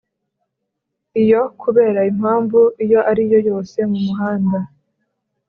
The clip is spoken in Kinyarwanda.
Iyo, kubera impamvu iyo ariyo yose, mu muhanda